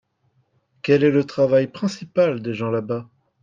Quel est le travail principal des gens là-bas ?